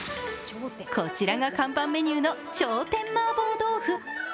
こちらが看板メニューの頂点麻婆豆腐。